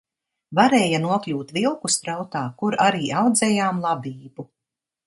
Varēja nokļūt Vilku strautā, kur arī audzējām labību.